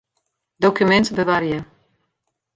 Dokumint bewarje.